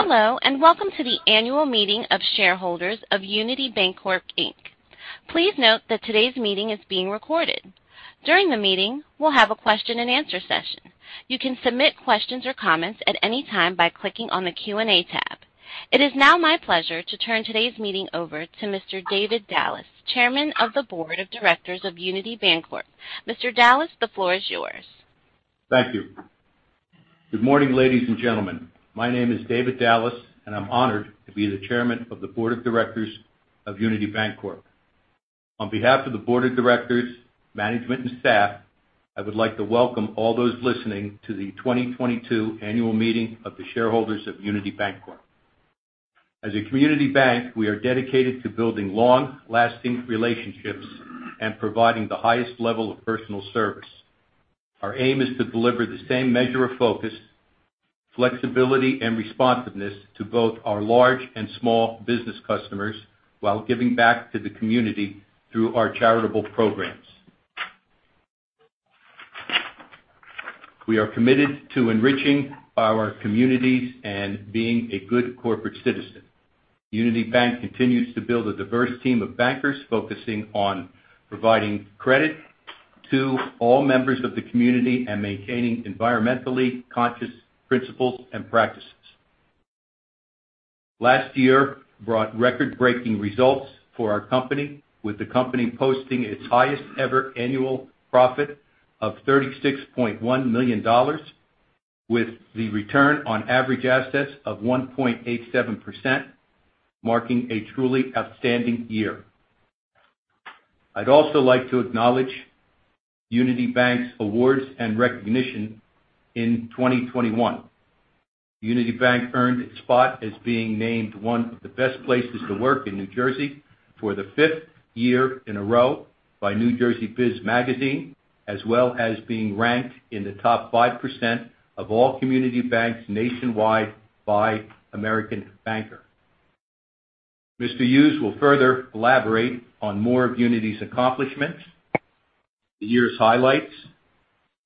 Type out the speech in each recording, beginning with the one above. Hello, and welcome to the Annual Meeting of Shareholders of Unity Bancorp, Inc. Please note that today's meeting is being recorded. During the meeting, we'll have a question and answer session. You can submit questions or comments at any time by clicking on the Q&A tab. It is now my pleasure to turn today's meeting over to Mr. David Dallas, Chairman of the board of directors of Unity Bancorp. Mr. Dallas, the floor is yours. Thank you. Good morning, ladies and gentlemen. My name is David Dallas, and I'm honored to be the chairman of the board of directors of Unity Bancorp. On behalf of the board of directors, management, and staff, I would like to welcome all those listening to the 2022 annual meeting of the shareholders of Unity Bancorp. As a community bank, we are dedicated to building long-lasting relationships and providing the highest level of personal service. Our aim is to deliver the same measure of focus, flexibility, and responsiveness to both our large and small business customers while giving back to the community through our charitable programs. We are committed to enriching our communities and being a good corporate citizen. Unity Bank continues to build a diverse team of bankers focusing on providing credit to all members of the community and maintaining environmentally conscious principles and practices. Last year brought record-breaking results for our company, with the company posting its highest-ever annual profit of $36.1 million with the return on average assets of 1.87%, marking a truly outstanding year. I'd also like to acknowledge Unity Bank's awards and recognition in 2021. Unity Bank earned its spot as being named one of the best places to work in New Jersey for the fifth year in a row by New Jersey Business Magazine, as well as being ranked in the top 5% of all community banks nationwide by American Banker. Mr. Hughes will further elaborate on more of Unity's accomplishments, the year's highlights,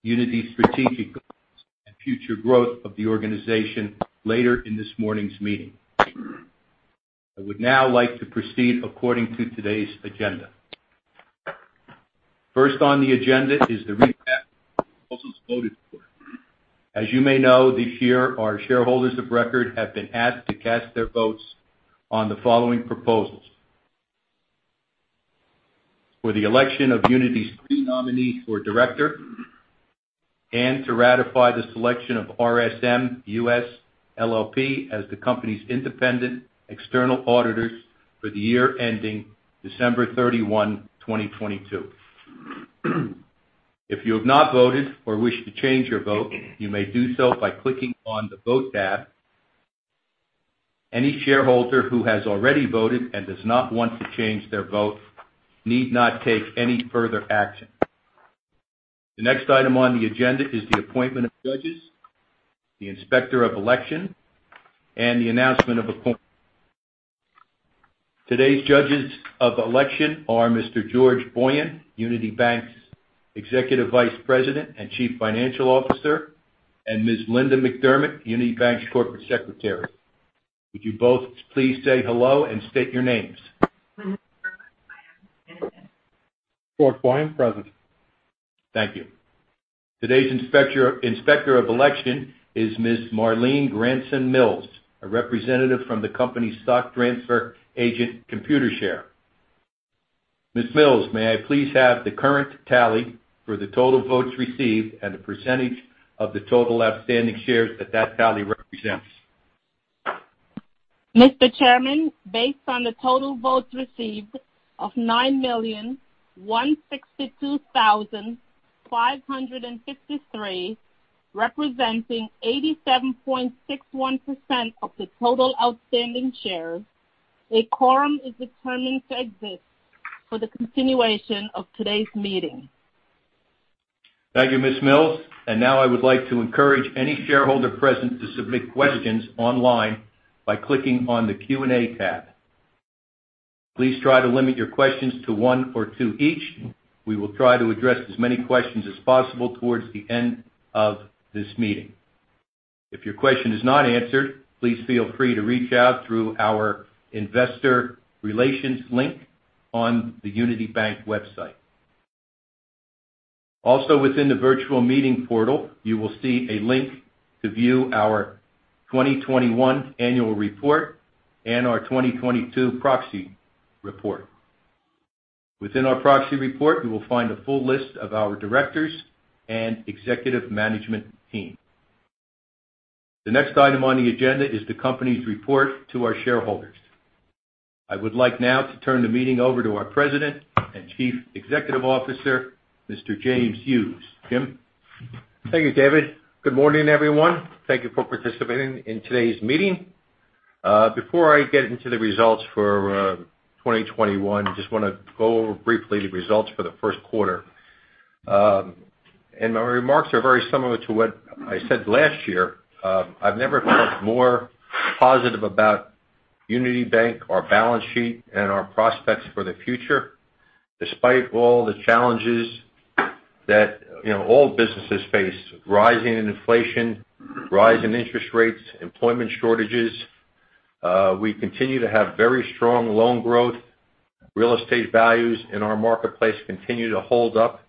Unity's strategic goals, and future growth of the organization later in this morning's meeting. I would now like to proceed according to today's agenda. First on the agenda is the recap voted for. As you may know, this year our shareholders of record have been asked to cast their votes on the following proposals for the election of Unity's three nominees for director and to ratify the selection of RSM U.S. LLP as the company's independent external auditors for the year ending December 31, 2022. If you have not voted or wish to change your vote, you may do so by clicking on the vote tab. Any shareholder who has already voted and does not want to change their vote need not take any further action. The next item on the agenda is the appointment of judges, the inspector of election, and the announcement of appointment. Today's judges of election are Mr. George Boyan, Unity Bank's Executive Vice President and Chief Financial Officer, and Ms. Linda McDermott, Unity Bank's Corporate Secretary. Would you both please say hello and state your names? George Boyan, present. Thank you. Today's inspector of election is Ms. Marleen Grandeson-Mills, a representative from the company's stock transfer agent, Computershare. Ms. Mills, may I please have the current tally for the total votes received and the percentage of the total outstanding shares that that tally represents. Mr. Chairman, based on the total votes received of 9,162,563, representing 87.61% of the total outstanding shares, a quorum is determined to exist for the continuation of today's meeting. Thank you, Ms. Mills. Now I would like to encourage any shareholder present to submit questions online by clicking on the Q&A tab. Please try to limit your questions to one or two each. We will try to address as many questions as possible towards the end of this meeting. If your question is not answered, please feel free to reach out through our investor relations link on the Unity Bank website. Also, within the virtual meeting portal, you will see a link to view our 2021 annual report and our 2022 proxy report. Within our proxy report, you will find a full list of our directors and executive management team. The next item on the agenda is the company's report to our shareholders. I would like now to turn the meeting over to our President and Chief Executive Officer, Mr. James Hughes. Jim. Thank you, David. Good morning, everyone. Thank you for participating in today's meeting. Before I get into the results for 2021, I just wanna go over briefly the results for the first quarter. My remarks are very similar to what I said last year. I've never felt more positive about Unity Bank, our balance sheet, and our prospects for the future, despite all the challenges You know, all businesses face rising inflation, rise in interest rates, employment shortages. We continue to have very strong loan growth. Real estate values in our marketplace continue to hold up.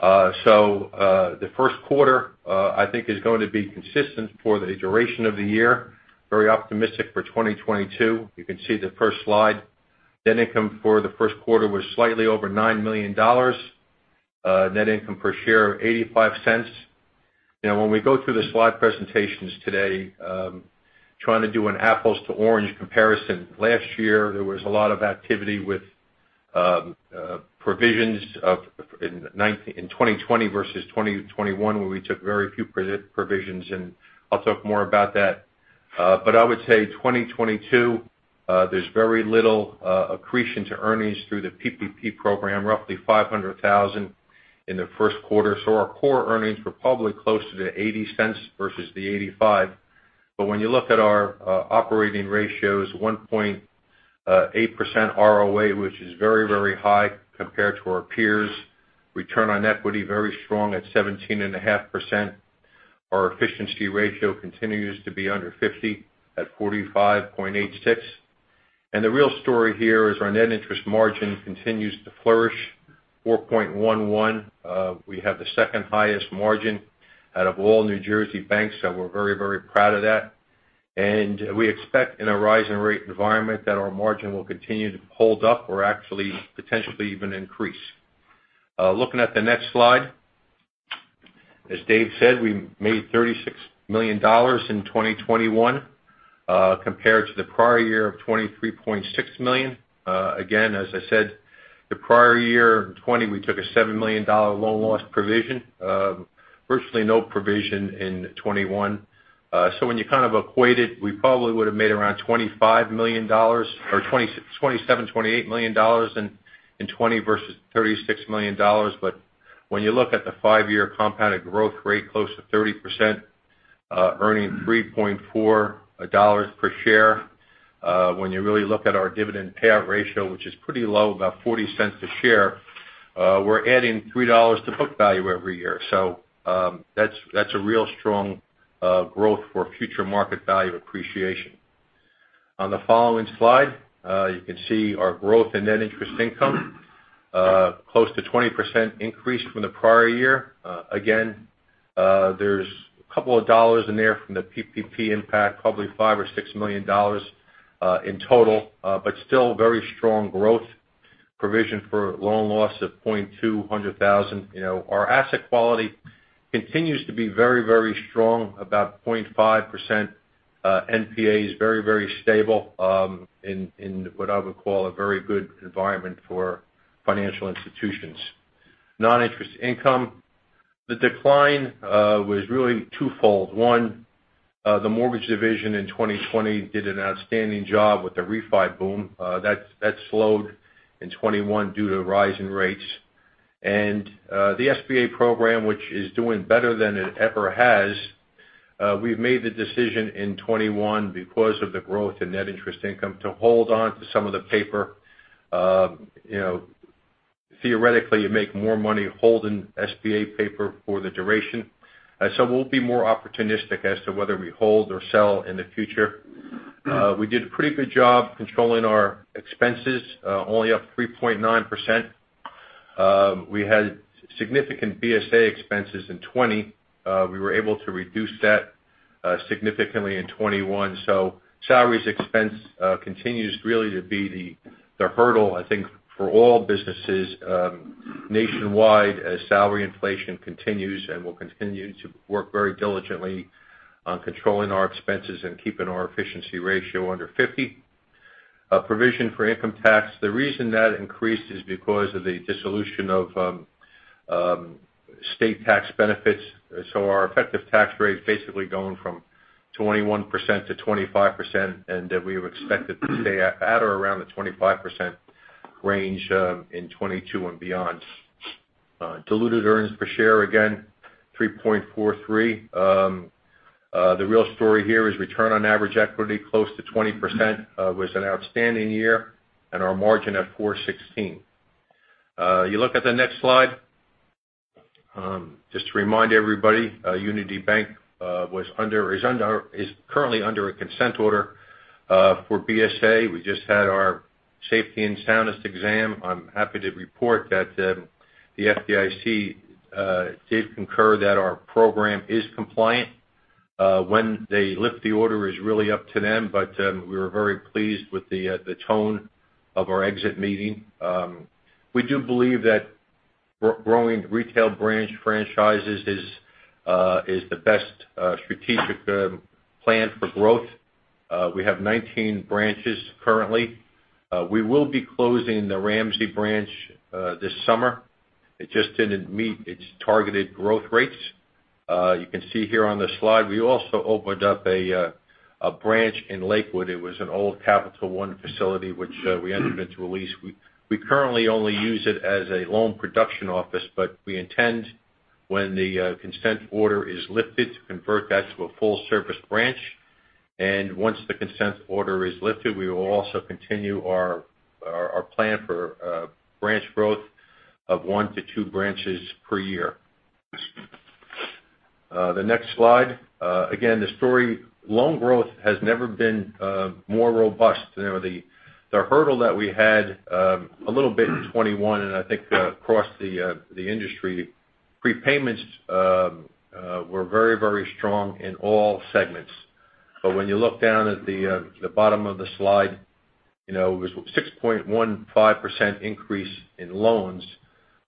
The first quarter, I think, is going to be consistent for the duration of the year. Very optimistic for 2022. You can see the first slide. Net income for the first quarter was slightly over $9 million. Net income per share of $0.85. Now, when we go through the slide presentations today, trying to do an apples to oranges comparison. Last year, there was a lot of activity with provisions in 2020 versus 2021, where we took very few provisions, and I'll talk more about that. I would say 2022, there's very little accretion to earnings through the PPP program, roughly $500,000 in the first quarter. Our core earnings were probably closer to the $0.80 versus the $0.85. When you look at our operating ratios, 1.8% ROA, which is very, very high compared to our peers. Return on equity, very strong at 17.5%. Our efficiency ratio continues to be under 50 at 45.86. The real story here is our net interest margin continues to flourish, 4.11. We have the second highest margin out of all New Jersey banks, so we're very, very proud of that. We expect in a rising rate environment that our margin will continue to hold up or actually potentially even increase. Looking at the next slide. As Dave said, we made $36 million in 2021, compared to the prior year of $23.6 million. Again, as I said, the prior year in 2020, we took a $7 million loan loss provision. Virtually no provision in 2021. When you kind of equate it, we probably would have made around $25 million or $27 million-$28 million in 2020 versus $36 million. When you look at the five-year compounded growth rate close to 30%, earning $3.4 per share, when you really look at our dividend payout ratio, which is pretty low, about $0.40 a share, we're adding $3 to book value every year. That's a real strong growth for future market value appreciation. On the following slide, you can see our growth in net interest income, close to 20% increase from the prior year. Again, there's a couple of dollars in there from the PPP impact, probably $5 million or $6 million, in total, but still very strong growth. Provision for loan loss of $200,000. You know, our asset quality continues to be very, very strong, about 0.5%, NPAs. Very, very stable, in what I would call a very good environment for financial institutions. Non-interest income. The decline was really twofold. One, the mortgage division in 2020 did an outstanding job with the refi boom. That slowed in 2021 due to rise in rates. The SBA program, which is doing better than it ever has, we've made the decision in 2021 because of the growth in net interest income to hold on to some of the paper. You know, theoretically, you make more money holding SBA paper for the duration. We'll be more opportunistic as to whether we hold or sell in the future. We did a pretty good job controlling our expenses, only up 3.9%. We had significant BSA expenses in 2020. We were able to reduce that significantly in 2021. Salaries expense continues really to be the hurdle, I think, for all businesses nationwide as salary inflation continues and will continue to work very diligently on controlling our expenses and keeping our efficiency ratio under 50%. Provision for income tax. The reason that increased is because of the dissolution of state tax benefits. Our effective tax rate basically going from 21% to 25%, and that we have expected to stay at or around the 25% range in 2022 and beyond. Diluted earnings per share, again, 3.43. The real story here is return on average equity close to 20%. It was an outstanding year and our margin at 4.16. You look at the next slide. Just to remind everybody, Unity Bank is currently under a consent order for BSA. We just had our safety and soundness exam. I'm happy to report that the FDIC did concur that our program is compliant. When they lift the order is really up to them, but we were very pleased with the tone of our exit meeting. We do believe that growing retail branch franchises is the best strategic plan for growth. We have 19 branches currently. We will be closing the Ramsey branch this summer. It just didn't meet its targeted growth rates. You can see here on the slide, we also opened up a branch in Lakewood. It was an old Capital One facility which we entered into a lease. We currently only use it as a loan production office, but we intend when the consent order is lifted to convert that to a full-service branch. Once the consent order is lifted, we will also continue our plan for branch growth of one to two branches per year. The next slide. Again, the story, loan growth has never been more robust. You know, the hurdle that we had a little bit in 2021, and I think across the industry, prepayments were very strong in all segments. When you look down at the bottom of the slide, you know, it was 6.15% increase in loans,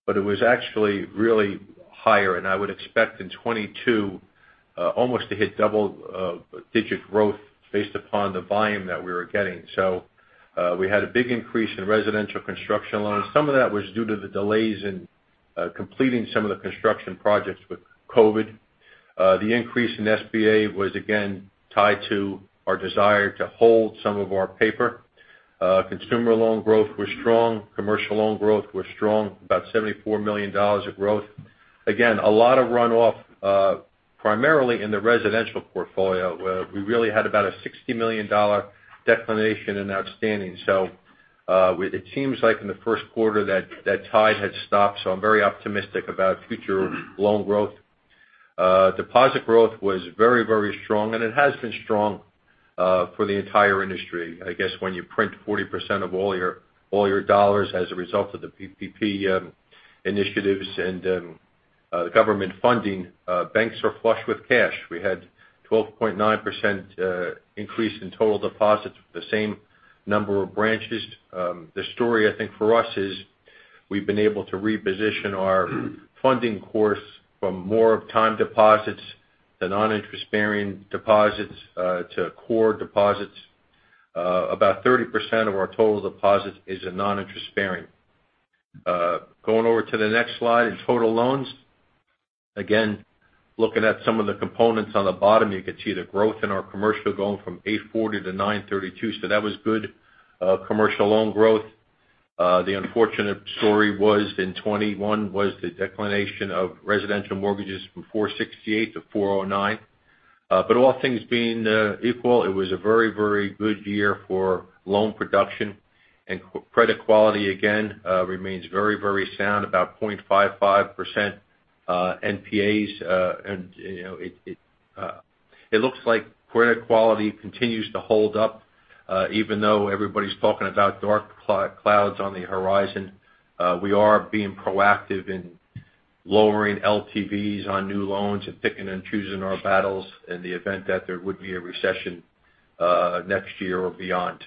but it was actually really higher. I would expect in 2022 almost to hit double-digit growth based upon the volume that we were getting. We had a big increase in residential construction loans. Some of that was due to the delays in completing some of the construction projects with COVID. The increase in SBA was again tied to our desire to hold some of our paper. Consumer loan growth was strong. Commercial loan growth was strong, about $74 million of growth. Again, a lot of runoff, primarily in the residential portfolio, where we really had about a $60 million decline in outstanding. It seems like in the first quarter that tide had stopped, so I'm very optimistic about future loan growth. Deposit growth was very, very strong, and it has been strong for the entire industry. I guess when you print 40% of all your dollars as a result of the PPP initiatives and the government funding, banks are flush with cash. We had 12.9% increase in total deposits with the same number of branches. The story I think for us is we've been able to reposition our funding source from more of time deposits to non-interest-bearing deposits to core deposits. About 30% of our total deposits is in non-interest-bearing. Going over to the next slide in total loans. Again, looking at some of the components on the bottom, you can see the growth in our commercial going from $840-$932. That was good, commercial loan growth. The unfortunate story in 2021 was the decline in residential mortgages from $468 to $409. But all things being equal, it was a very, very good year for loan production. Credit quality, again, remains very, very sound, about 0.55% NPAs. You know, it looks like credit quality continues to hold up, even though everybody's talking about dark clouds on the horizon. We are being proactive in lowering LTVs on new loans and picking and choosing our battles in the event that there would be a recession next year or beyond.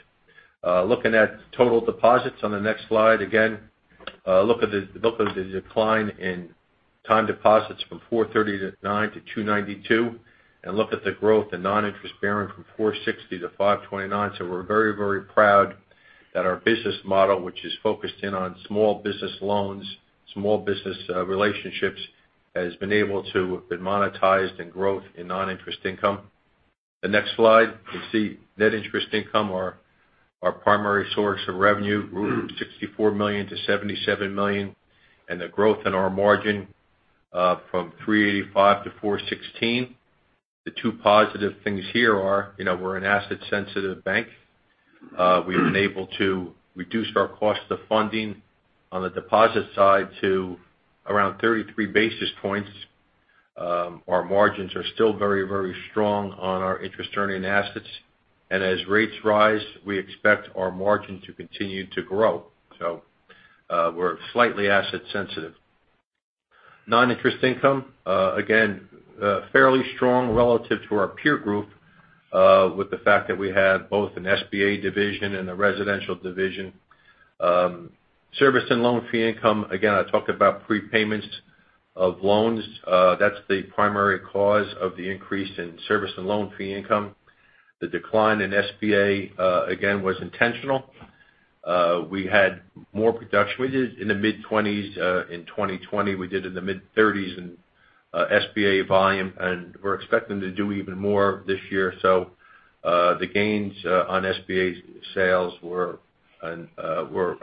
Looking at total deposits on the next slide. Again, look at the decline in time deposits from $439 million to $292 million, and look at the growth in non-interest bearing from $460 million to $529 million. We're very, very proud that our business model, which is focused in on small business loans, small business relationships, has been able to have been monetized and growth in non-interest income. The next slide, you can see net interest income, our primary source of revenue, grew from $64 million to $77 million, and the growth in our margin from 3.85% to 4.16%. The two positive things here are, you know, we're an asset-sensitive bank. We've been able to reduce our cost of funding on the deposit side to around 33 basis points. Our margins are still very, very strong on our interest-earning assets. As rates rise, we expect our margin to continue to grow. We're slightly asset sensitive. Non-interest income, again, fairly strong relative to our peer group, with the fact that we have both an SBA division and a residential division. Service and loan fee income. Again, I talked about prepayments of loans. That's the primary cause of the increase in service and loan fee income. The decline in SBA, again, was intentional. We had more production. We did in the mid-20s, in 2020, we did in the mid-30s in SBA volume, and we're expecting to do even more this year. The gains on SBA's sales were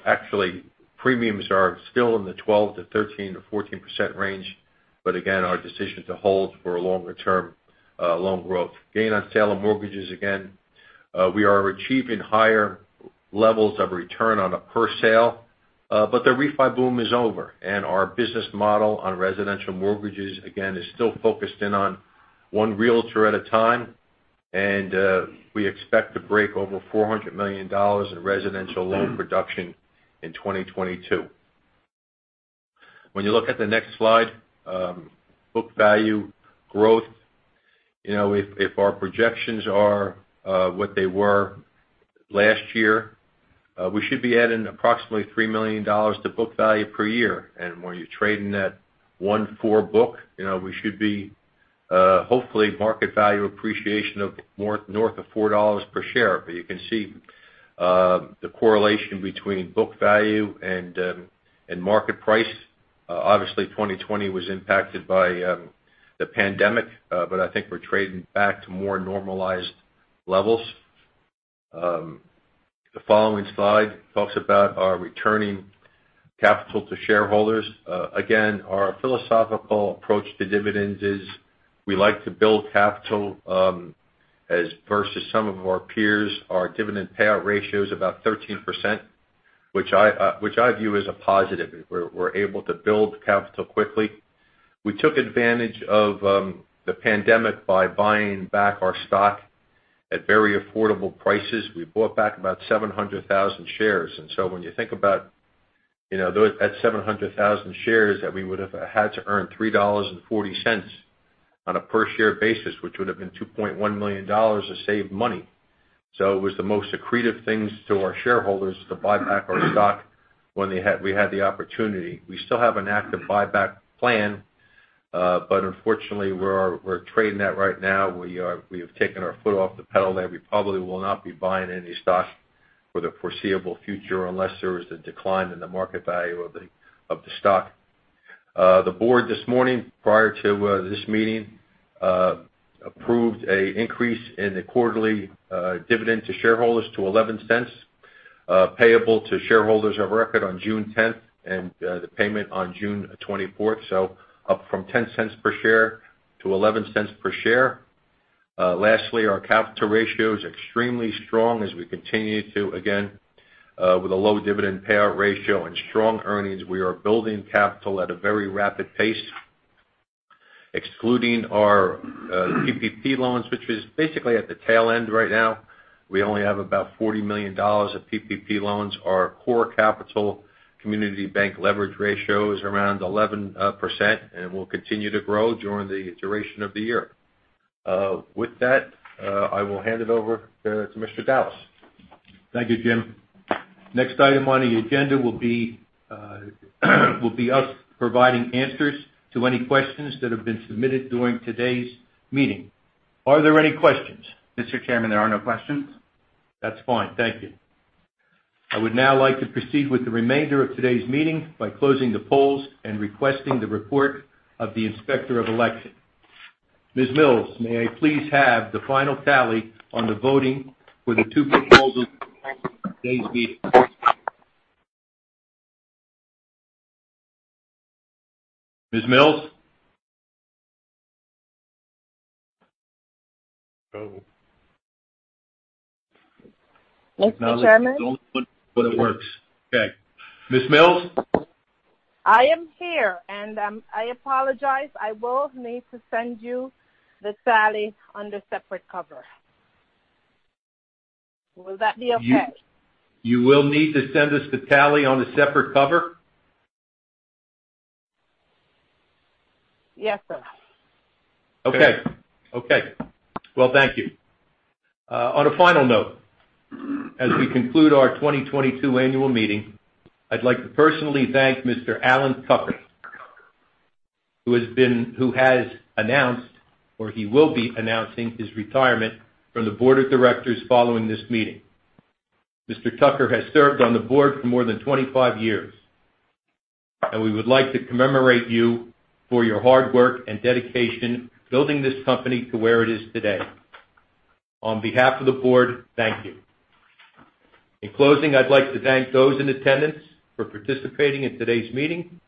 actually premiums are still in the 12%-14% range. Again, our decision to hold for a longer-term loan growth. Gain on sale of mortgages, again, we are achieving higher levels of return on a per sale. But the refi boom is over, and our business model on residential mortgages again is still focused in on one realtor at a time. We expect to break over $400 million in residential loan production in 2022. When you look at the next slide, book value growth. You know, if our projections are what they were last year, we should be adding approximately $3 million to book value per year. When you're trading at 1.4 book, you know, we should be hopefully market value appreciation of more north of $4 per share. But you can see the correlation between book value and market price. Obviously 2020 was impacted by the pandemic, but I think we're trading back to more normalized levels. The following slide talks about our returning capital to shareholders. Again, our philosophical approach to dividends is we like to build capital as versus some of our peers. Our dividend payout ratio is about 13%, which I view as a positive. We're able to build capital quickly. We took advantage of the pandemic by buying back our stock at very affordable prices. We bought back about 700,000 shares. When you think about, you know, 700,000 shares that we would have had to earn $3.40 on a per share basis, which would have been $2.1 million of saved money. It was the most accretive things to our shareholders to buy back our stock when we had the opportunity. We still have an active buyback plan, but unfortunately, we're trading that right now. We have taken our foot off the pedal there. We probably will not be buying any stock for the foreseeable future unless there is a decline in the market value of the stock. The board this morning, prior to this meeting, approved an increase in the quarterly dividend to shareholders to $0.11, payable to shareholders of record on June 10th, and the payment on June 24th. Up from $0.10 per share to $0.11 per share. Lastly, our capital ratio is extremely strong as we continue to, again, with a low dividend payout ratio and strong earnings, we are building capital at a very rapid pace. Excluding our PPP loans, which is basically at the tail end right now, we only have about $40 million of PPP loans. Our core capital community bank leverage ratio is around 11% and will continue to grow during the duration of the year. With that, I will hand it over to Mr. Dallas. Thank you, Jim. Next item on the agenda will be us providing answers to any questions that have been submitted during today's meeting. Are there any questions? Mr. Chairman, there are no questions. That's fine. Thank you. I would now like to proceed with the remainder of today's meeting by closing the polls and requesting the report of the inspector of election. Ms. Mills, may I please have the final tally on the voting for the two proposals at today's meeting? Ms. Mills? Mr. Chairman? It works. Okay. Ms. Mills? I am here, and, I apologize. I will need to send you the tally under separate cover. Will that be okay? You will need to send us the tally on a separate cover? Yes, sir. Okay. Well, thank you. On a final note, as we conclude our 2022 annual meeting, I'd like to personally thank Mr. Allen Tucker, who has announced, or he will be announcing his retirement from the board of directors following this meeting. Mr. Tucker has served on the board for more than 25 years, and we would like to commemorate you for your hard work and dedication building this company to where it is today. On behalf of the board, thank you. In closing, I'd like to thank those in attendance for participating in today's meeting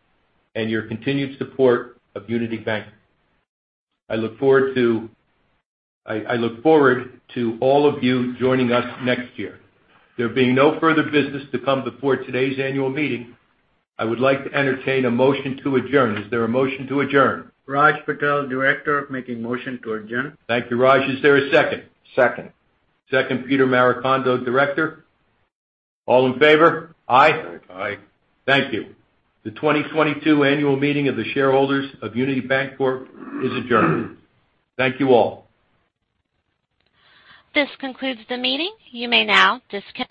and your continued support of Unity Bank. I look forward to all of you joining us next year. There being no further business to come before today's annual meeting, I would like to entertain a motion to adjourn. Is there a motion to adjourn? Raj Patel, Director, making motion to adjourn. Thank you, Raj. Is there a second? Second. Second, Peter Maricondo, Director. All in favor? Aye. Aye. Thank you. The 2022 annual meeting of the shareholders of Unity Bancorp is adjourned. Thank you all. This concludes the meeting. You may now disconnect.